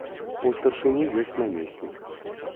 У старшыні ёсць намеснік.